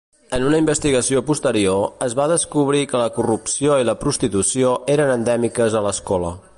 En una investigació posterior, es va descobrir que la corrupció i la prostitució eren endèmiques a l'escola.